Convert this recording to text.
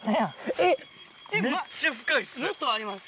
えっめっちゃ深いっす。